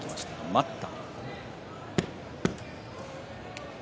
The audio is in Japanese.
待った。